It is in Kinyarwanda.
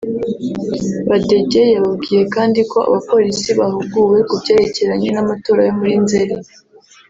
Badege yababwiye kandi ko abapolisi bahuguwe ku byerekeranye n’amatora yo muri Nzeri